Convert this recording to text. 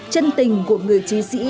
chân tình của người chí sĩ